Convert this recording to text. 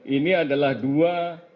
ini adalah dua